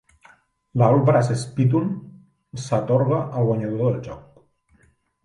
La Old Brass Spittoon s'atorga al guanyador del joc.